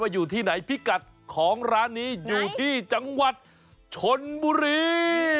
อยู่ที่จังหวัดชนบุรี